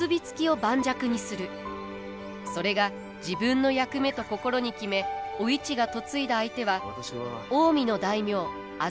それが自分の役目と心に決めお市が嫁いだ相手は近江の大名浅井長政。